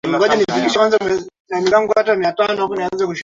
Nataka ujue kitu moja, mimi si mtoto tena!